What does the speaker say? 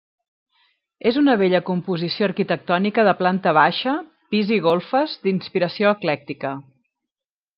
És una bella composició arquitectònica de planta baixa, pis i golfes, d'inspiració eclèctica.